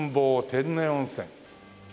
天然温泉。